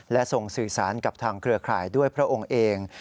และส่งสื่อสารกับทางเครือข่ายด้วยพระองค์เอง